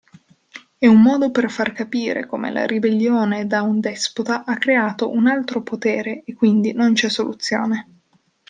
È un modo per far capire come la ribellione da un despota ha creato un altro potere e quindi non c'è soluzione.